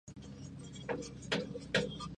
Más tarde se sustituyeron por procesadores Intel.